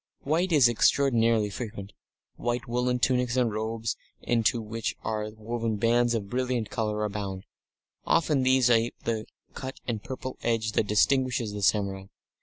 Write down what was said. White is extraordinarily frequent; white woollen tunics and robes into which are woven bands of brilliant colour, abound. Often these ape the cut and purple edge that distinguishes the samurai.